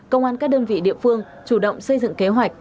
công an các đơn vị địa phương chủ động xây dựng kế hoạch